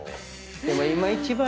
でも。